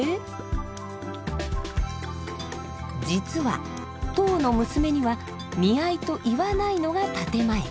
実は当の娘には見合いと言わないのが建て前。